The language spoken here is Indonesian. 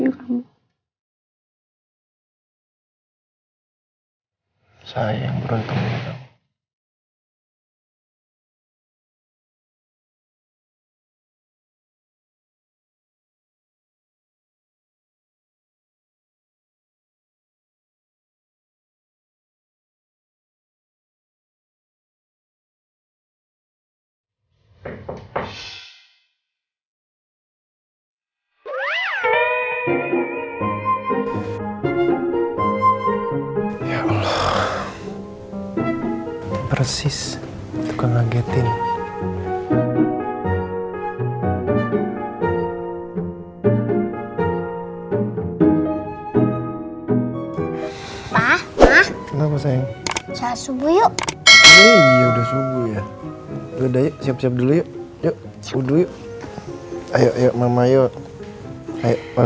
kamu aja sampai ngasih lima mil ya